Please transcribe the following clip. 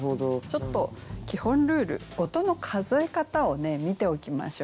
ちょっと基本ルール音の数え方をね見ておきましょう。